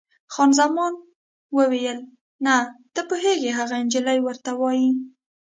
خان زمان وویل: نه، ته پوهېږې، هغه انجلۍ ورته وایي.